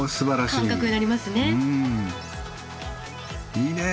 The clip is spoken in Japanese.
いいね。